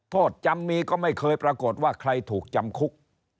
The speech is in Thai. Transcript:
โทษจำมีก็ไม่เคยปรากฏว่าใครถูกจำคุก